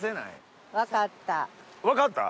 分かった。